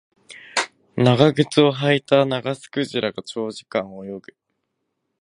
長靴を履いたナガスクジラが長時間泳ぐ